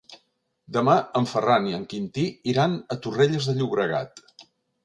Demà en Ferran i en Quintí iran a Torrelles de Llobregat.